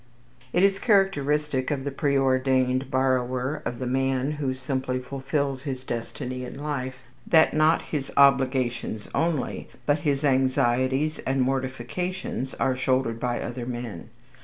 It is characteristic of the preordained borrower, of the man who simply fulfils his destiny in life, that not his obligations only, but his anxieties and mortifications are shouldered by other men.